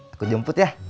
aku jemput ya